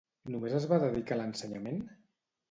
Només es va dedicar a l'ensenyament?